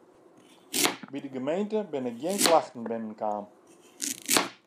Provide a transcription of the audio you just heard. By de gemeente binne gjin klachten binnen kaam.